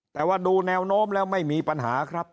แต่ว่าดูแนวโน้มแล้วไม่มีปัญหาครับ